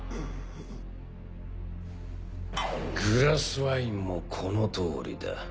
グラスワインもこのとおりだ。